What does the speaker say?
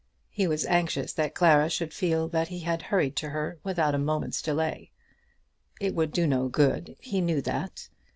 He was anxious that Clara should feel that he had hurried to her without a moment's delay. It would do no good. He knew that.